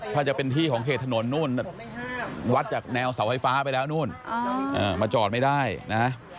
ถ้าจะเป็นที่ของเขตถนนนู่นวัดจากแนวเสาไฟฟ้าไปแล้วนู่นมาจอดไม่ได้นะ